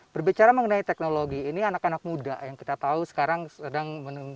berbicara mengenai teknologi ini anak anak muda yang kita tahu sekarang sedang mengembangkan